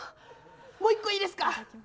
もう１個だけいいですか？